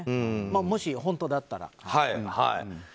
もし本当だったら。